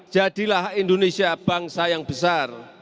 jadilah indonesia bangsa yang besar